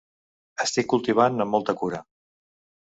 Estic cultivant amb molta cura.